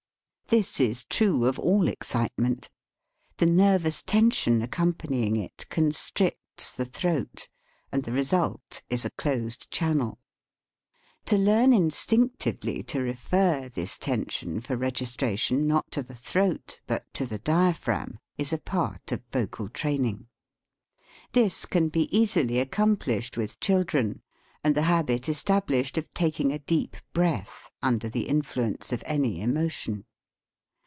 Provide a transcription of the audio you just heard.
This is true of all excite THE SPEAKING VOICE ment; the nervous tension accompanying it ' constricts the throat, and the result is a closed channel. To learn instinctively to re / fer this tension for registration not to the throat, but to the diaphragm, is a part of vocal training. This can be easily accom plished with children, and the habit estab lished of taking a deep breath under the in fluence of any emotion.